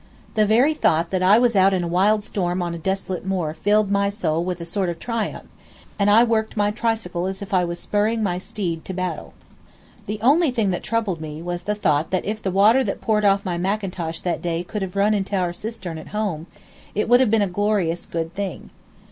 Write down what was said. The very thought that I was out in a wild storm on a desolate moor filled my soul with a sort of triumph, and I worked my tricycle as if I was spurring my steed to battle. The only thing that troubled me was the thought that if the water that poured off my mackintosh that day could have run into our cistern at home, it would have been a glorious good thing.